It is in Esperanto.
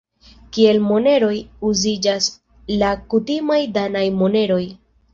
Kiel moneroj uziĝas la kutimaj danaj moneroj.